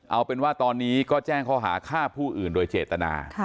เอาเป็นว่าตอนนี้ก็แจ้งข้อหาฆ่าผู้อื่นโดยเจตนา